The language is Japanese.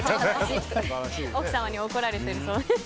奥様に怒られてるそうです。